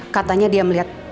katanya dia melihat